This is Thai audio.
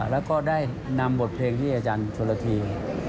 แล้วก็ได้นำบทเพลงที่อาจารย์ชนละที